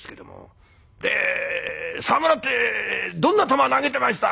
「沢村ってどんな球投げてました？」。